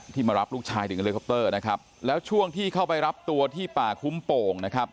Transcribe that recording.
มารับลูกชายถึงเลิคอปเตอร์นะครับแล้วช่วงที่เข้าไปรับตัวที่ป่าคุ้มโป่งนะครับ